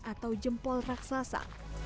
atau jempol raksasa